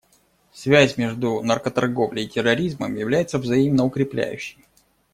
Связь между наркоторговлей и терроризмом является взаимно укрепляющей.